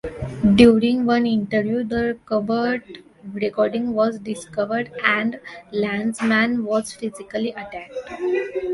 During one interview, the covert recording was discovered and Lanzmann was physically attacked.